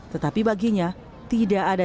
tetapi baginya tidak ada